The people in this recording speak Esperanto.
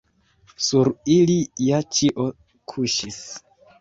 Sur ili ja ĉio kuŝis.